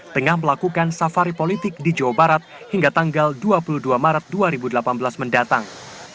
tengah melakukan safari politik di jawa barat hingga tanggal dua puluh dua maret dua ribu delapan belas mendatang